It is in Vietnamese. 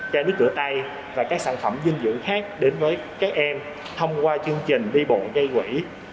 chai nước cửa tay và các sản phẩm dinh dưỡng khác đến với các em thông qua chương trình đi bộ dây quỷ